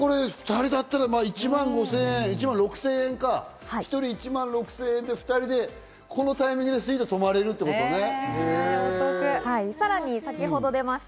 じゃあこれ２人だったら１万６０００円か、１人１万６０００円で２人でこのタイミングでスイートに泊まれるってことね。